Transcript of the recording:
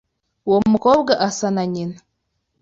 Uwo mukobwa asa na nyina.